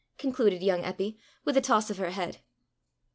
concluded young Eppy, with a toss of her head.